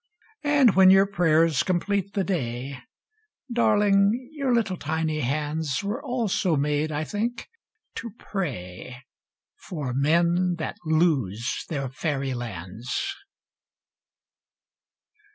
And when your prayers complete the day, Darling, your little tiny hands Were also made, I think, to pray For men that lose their fairylands.